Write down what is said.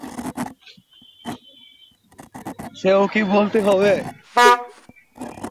সেও কি বলতে হবে?